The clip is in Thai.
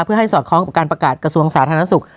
เพื่อให้สอดคล้องกับการประกาศกระทรวงสาธารณสุข